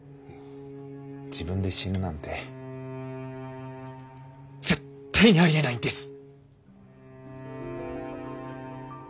自分で死ぬなんて絶対にありえないんです。